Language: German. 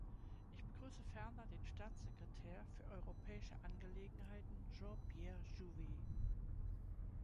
Ich begrüße ferner den Staatssekretär für europäische Angelegenheiten, Jean-Pierre Jouyet.